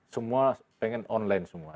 semua pengen online semua